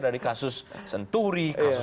dari kasus senturi kasus